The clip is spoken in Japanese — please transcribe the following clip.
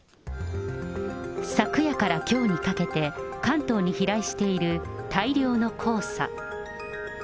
昨夜からきょうにかけて、関東に飛来している大量の黄砂。